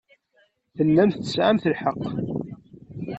Tellamt tesɛamt lḥeqq.